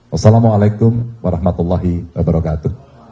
wassalamu alaikum warahmatullahi wabarakatuh